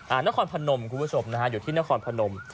นครพนมคุณผู้ชมนะฮะอยู่ที่นครพนม